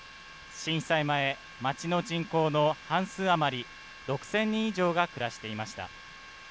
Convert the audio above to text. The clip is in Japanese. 震災前、町の人口の半数余り、６０００人以上が暮らしていました。